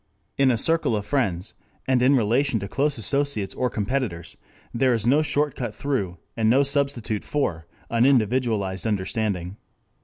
In a circle of friends, and in relation to close associates or competitors, there is no shortcut through, and no substitute for, an individualized understanding.